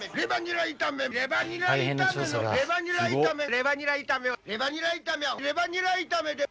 レバニラ炒めで。